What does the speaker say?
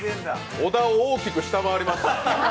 小田を大きく下回りました。